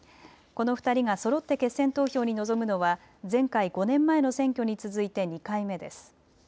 この２人がそろって決選投票に臨むのは前回５年前の選挙に続いて２回目です。